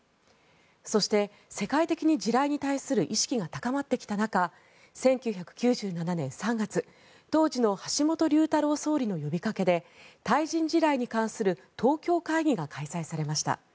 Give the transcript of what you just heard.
そして、世界的に地雷に対する意識が高まってきた中１９９７年３月、当時の橋本龍太郎総理の呼びかけで対人地雷に関する東京会議が開催されました。